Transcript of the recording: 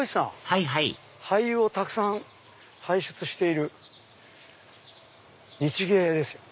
はいはい俳優をたくさん輩出している日藝ですよ。